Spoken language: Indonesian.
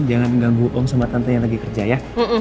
jangan mengganggu om sama tante yang lagi kerja ya